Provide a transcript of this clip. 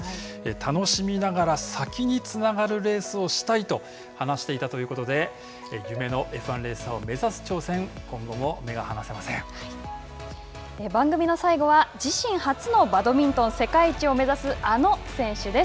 楽しみながら先につながるレースをしたいと話していたということで夢のＦ１レーサーを目指す挑戦番組の最後は自身初のバドミントン世界一を目指すあの選手です。